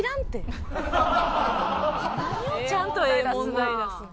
何をちゃんとええ問題出すの？